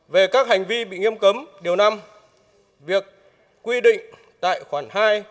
về các hành vi bị nghiêm cấm điều năm việc quy định tại khoản hai